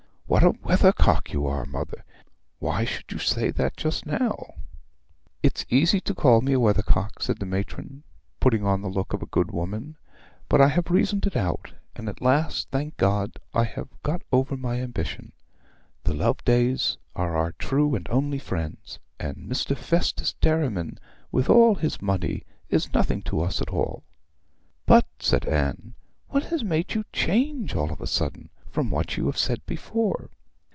'What a weathercock you are, mother! Why should you say that just now?' 'It is easy to call me a weathercock,' said the matron, putting on the look of a good woman; 'but I have reasoned it out, and at last, thank God, I have got over my ambition. The Lovedays are our true and only friends, and Mr. Festus Derriman, with all his money, is nothing to us at all.' 'But,' said Anne, 'what has made you change all of a sudden from what you have said before?'